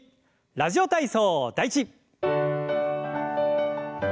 「ラジオ体操第１」。